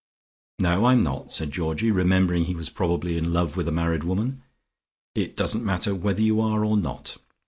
"No, I'm not," said Georgie, remembering he was probably in love with a married woman. "It doesn't matter whether you are or not.